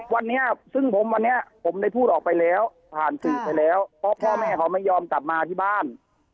วันนี้ซึ่งผมวันนี้ผมได้พูดออกไปแล้วผ่านสื่อไปแล้วเพราะพ่อแม่เขาไม่ยอมกลับมาที่บ้าน